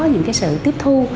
những cái sự tiếp thu